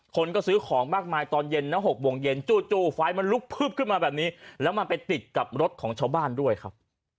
คนก็ซื้อของมากมายตอนเย็นนะ๖โมงเย็นจู่ไฟมันลุกพึบขึ้นมาแบบนี้แล้วมันไปติดกับรถของชาวบ้านด้วยครับ